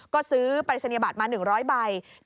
ก็ซื้อปรายศนียบัตรมา๑๐๐ใบ